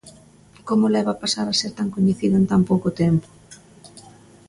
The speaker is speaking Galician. Como leva pasar a ser tan coñecida en tan pouco tempo?